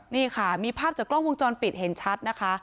นี่ค่ะมีภาพจากกล้องวงจรปิดเห็นชัดนะคะ